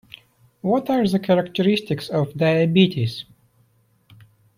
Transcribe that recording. What are the characteristics of Diabetes?